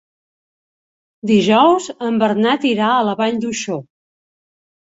Dijous en Bernat irà a la Vall d'Uixó.